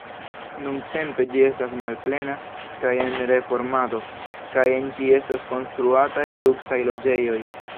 Nuntempe ĝi estas malplena kaj en reformado, kaj en ĝi estos konstruataj luksaj loĝejoj.